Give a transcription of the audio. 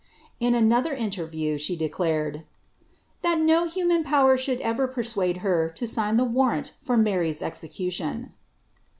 "' In onother iaierview ■ declared, " that no human |>ower should ever i>er«uade her to i'lga I warrant for Mary's exeention."